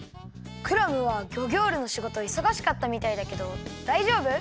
クラムはギョギョールのしごといそがしかったみたいだけどだいじょうぶ？